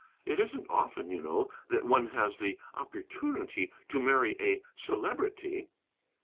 It isn't often, you know, that one has the opportunity to marry a Celebrity."